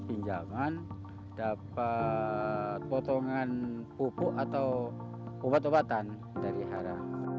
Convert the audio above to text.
pinjaman dapat potongan pupuk atau ubat ubatan dari hara